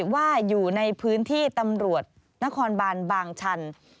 ว่าอยู่ในพื้นที่ตำรวจนครบานบางชัน